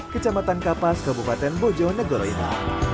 kecamatan kapas kabupaten bojonegoro ini